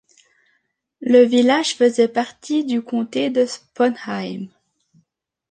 Le village faisait partie du Comté de Sponheim.